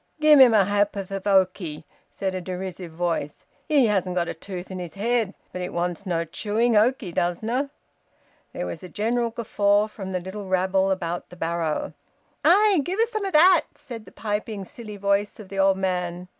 "Give him a ha'porth o' hokey," said a derisive voice. "He hasn't got a tooth in his head, but it wants no chewing, hokey does na'." There was a general guffaw from the little rabble about the barrow. "Aye! Give us some o' that!" said the piping, silly voice of the old man.